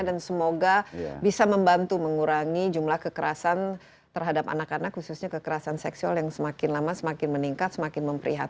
dan semoga bisa membantu mengurangi jumlah kekerasan terhadap anak anak khususnya kekerasan seksual yang semakin lama semakin meningkat semakin memprihatin